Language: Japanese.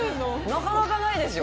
なかなかないですよ。